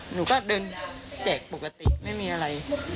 หนูก็เดินแจกปกติไม่มีอะไร